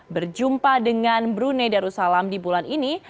berjumpa dengan brunei darussalam di bulan ini